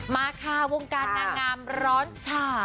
มาค่ะวงการนางงามร้อนฉ่า